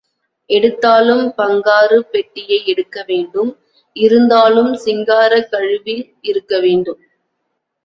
எடுத்தாலும் பங்காருப் பெட்டியை எடுக்க வேண்டும் இருந்தாலும் சிங்காரக் கழுவில் இருக்க வேண்டும்.